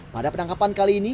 pada penangkapan kali ini